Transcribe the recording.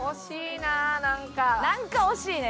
なんか惜しいね。